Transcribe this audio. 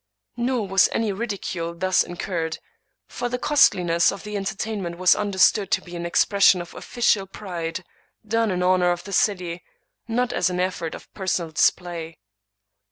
Nor was any ridicule thus incurred ; for the costliness of the entertainment was understood to be an expression of official pride, done in honor of the city, not as an effort of per sonal display.